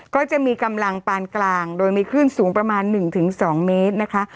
ก็จะมีกำลังปานกลางโดยมีขึ้นสูงประมาณหนึ่งถึงสองเมตรนะคะ